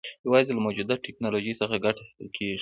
یوازې له موجوده ټکنالوژۍ څخه ګټه اخیستل کېږي.